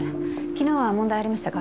昨日は問題ありましたか？